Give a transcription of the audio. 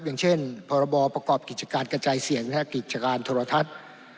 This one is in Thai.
อย่างเช่นพรบประกอบกิจการกระจายเสียงกิจการโทรทัศน์